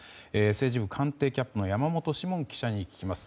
政治部官邸キャップの山本志門記者に聞きます。